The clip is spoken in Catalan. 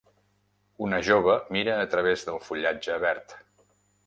Una jove mira a través del fullatge verd